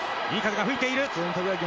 いい風が吹いている！